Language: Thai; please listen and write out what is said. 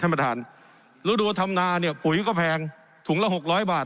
ประธานฤดูธรรมนาเนี่ยปุ๋ยก็แพงถุงละหกร้อยบาท